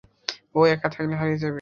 ও একা থাকলে হারিয়ে যাবে।